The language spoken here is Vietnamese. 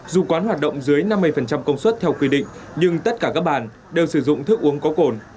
dù quán hoạt động dưới năm mươi công suất theo quy định nhưng tất cả các bàn đều sử dụng thức uống có cồn